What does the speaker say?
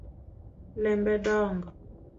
Lembe dongo